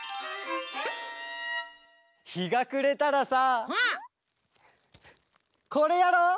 ひがくれたらさこれやろう！